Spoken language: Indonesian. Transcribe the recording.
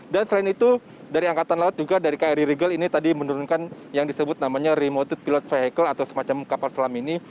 dan selain itu dari angkatan laut juga dari kri regal ini tadi menurunkan yang disebut namanya remote pilot vehicle atau semacam kapal selam ini